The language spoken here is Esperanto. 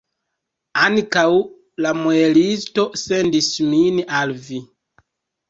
Ankaŭ la muelisto sendis min al vi.